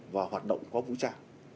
và hoạt động có vũ trang